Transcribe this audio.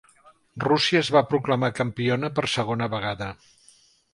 Rússia es va proclamar campiona per segona vegada.